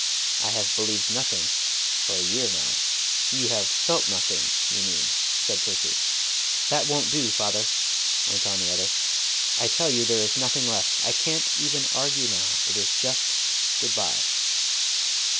I have believed nothing for a year now." "You have felt nothing, you mean," said Percy. "That won't do, father," went on the other. "I tell you there is nothing left. I can't even argue now. It is just good bye."